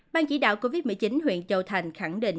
ban chỉ đạo covid một mươi chín huyện châu thành khẳng định